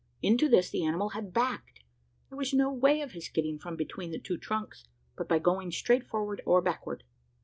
Into this the animal had backed. There was no way of his getting from between the two trunks, but by going straight forward or backward.